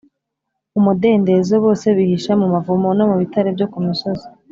umudendezo bose bihisha mu mavumo no mu bitare byo ku misozi